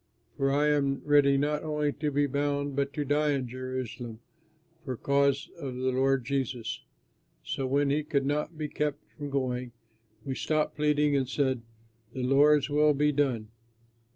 For I am ready not only to be bound but to die in Jerusalem for the cause of the Lord Jesus." So when he could not be kept from going, we stopped pleading and said: "The Lord's will be done."